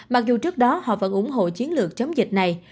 mặc dù trước đó họ vẫn ủng hộ chiến lược chống dịch này